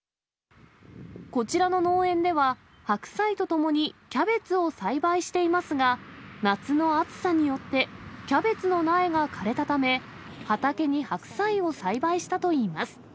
こちらの農園では、白菜とともにキャベツを栽培していますが、夏の暑さによってキャベツの苗が枯れたため、畑に白菜を栽培したといいます。